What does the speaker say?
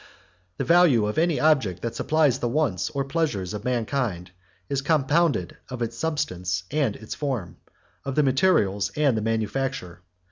The value of any object that supplies the wants or pleasures of mankind is compounded of its substance and its form, of the materials and the manufacture.